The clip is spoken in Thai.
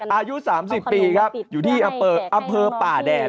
อายุ๓๐ปีครับอยู่ที่อำเภอป่าแดด